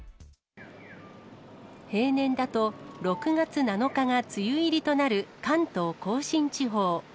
平年だと６月７日が梅雨入りとなる関東甲信地方。